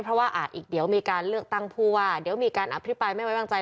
เพราะว่าอาจอีกเดี๋ยวมีการเลือกตั้งผู้ว่าเดี๋ยวมีการอภิปรายไม่ไว้วางใจ